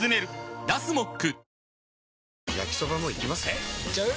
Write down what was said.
えいっちゃう？